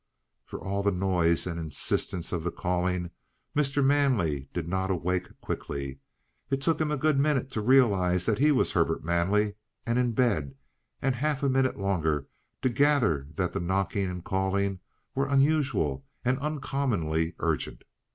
For all the noise and insistence of the calling Mr. Manley did not awake quickly. It took him a good minute to realize that he was Herbert Manley and in bed, and half a minute longer to gather that the knocking and calling were unusual and uncommonly urgent.